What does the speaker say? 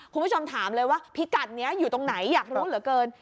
คุณผู้ชมถามเลยว่าพิกัดนี้อยู่ตรงไหนอยากรู้เหลือเกิน